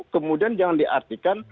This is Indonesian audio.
kemudian jangan diartikan